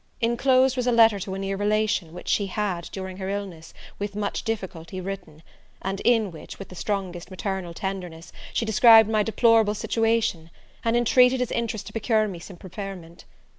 Inclosed was a letter to a near relation, which she had, during her illness, with much difficulty, written; and in which, with the strongest maternal tenderness, she described my deplorable situation, and intreated his interest to procure me some preferment.